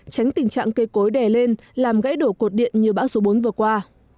tránh tình trạng cây cối đè lên làm gãy đổ cột điện như bão số bốn vừa qua